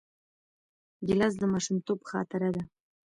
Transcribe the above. ګیلاس د ماشومتوب خاطره ده.